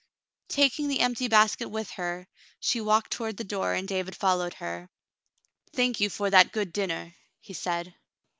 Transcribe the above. Taking the empty basket with her, she walked toward the door, and David followed her. "Thank you for that good dinner," he said.